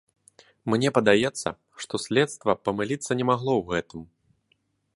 Мне падаецца, што следства памыліцца не магло ў гэтым.